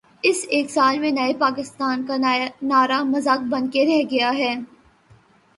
اس ایک سال میں نئے پاکستان کا نعرہ مذاق بن کے رہ گیا ہے۔